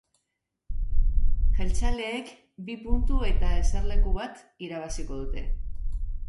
Jeltzaleek bi puntu eta eserleku bat irabaziko dute.